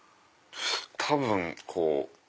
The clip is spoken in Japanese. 多分こう。